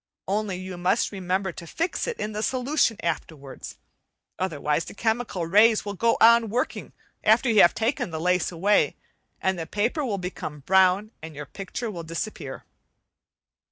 Only you must remember to fix it in the solution afterwards, otherwise the chemical rays will go on working after you have taken the lace away, and all the paper will become brown and your picture will disappear.